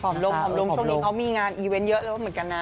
ลงผอมลงช่วงนี้เขามีงานอีเวนต์เยอะแล้วเหมือนกันนะ